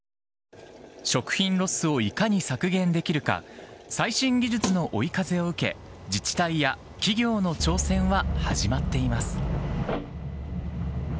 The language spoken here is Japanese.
食品ロスをいかに削減できるか、最新技術の追い風を受け、自治体や企業の挑戦は始まっています。